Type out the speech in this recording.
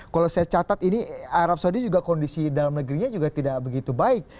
kalau saya catat ini arab saudi juga kondisi dalam negerinya juga tidak begitu baik